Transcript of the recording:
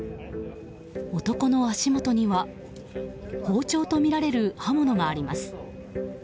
男の足元には包丁とみられる刃物があります。